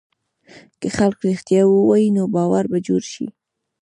که خلک رښتیا ووایي، نو باور به جوړ شي.